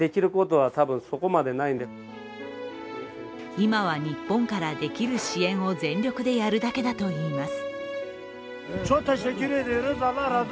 今は日本からできる支援を全力でやるだけだといいます。